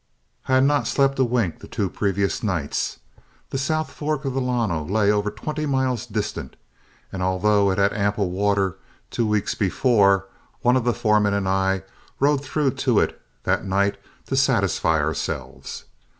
I had not slept a wink the two previous nights. The south fork of the Llano lay over twenty miles distant, and although it had ample water two weeks before, one of the foremen and I rode through to it that night to satisfy ourselves.